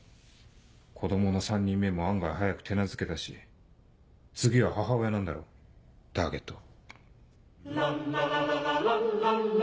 子供の３人目も案外早く手なずけたし次は母親なんだろ？ターゲット。